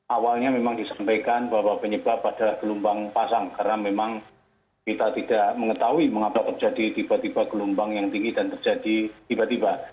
awalnya memang disampaikan bahwa penyebab adalah gelombang pasang karena memang kita tidak mengetahui mengapa terjadi tiba tiba gelombang yang tinggi dan terjadi tiba tiba